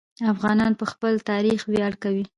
افغانان په خپل تاریخ ویاړ کوي.